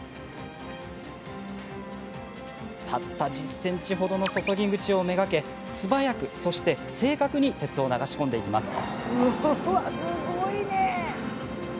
たった１０ｃｍほどの注ぎ口を目がけ素早く、そして正確に鉄を流し込んでいきます。